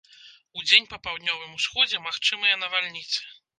Удзень па паўднёвым усходзе магчымыя навальніцы.